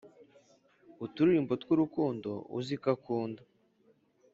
uturirimbo tw’urukundo uziko akunda,